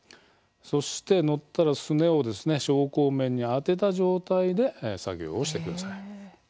そして、乗ったらすねを昇降面に当てた状態で作業をしてください。